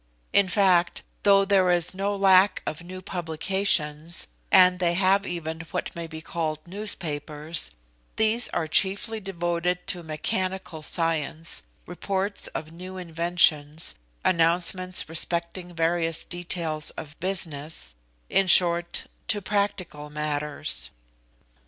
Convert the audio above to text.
In fact, though there is no lack of new publications, and they have even what may be called newspapers, these are chiefly devoted to mechanical science, reports of new inventions, announcements respecting various details of business in short, to practical matters.